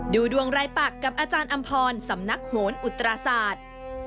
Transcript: ดูดวงรายปักกับอาจารย์อำพรสำนักโหนอุตราศาสตร์